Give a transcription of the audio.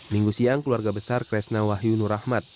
minggu siang keluarga besar kresna wahyu nurahmat